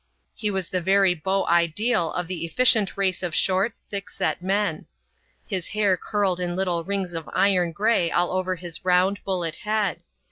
He was the very beau ideal of the efficient race of short, thick set men. His hair curled in little rings of iron gray all over his round, bullet head.